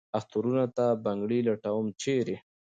اخترونو ته بنګړي لټوم ، چېرې ؟